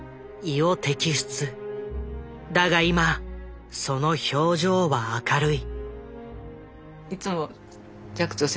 だが今その表情は明るい。